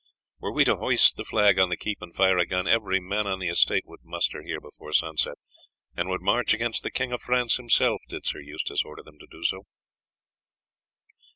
Were we to hoist the flag on the keep and fire a gun, every man on the estate would muster here before sunset, and would march against the King of France himself did Sir Eustace order them to do so."